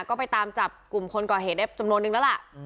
ก็ไปตามจับกลุ่มคนก่อเหตุได้จำนวนนึงแล้วล่ะ